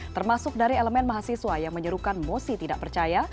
termasuk dari elemen mahasiswa yang menyerukan mosi tidak percaya